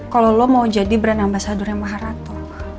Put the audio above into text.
kalau lo mau jadi brand ambasadurnya maharato